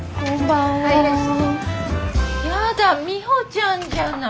やだミホちゃんじゃない。